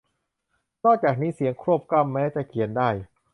นอกจากนี้ เสียงควบกล้ำแม้จะเขียนได้